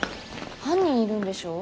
犯人いるんでしょ。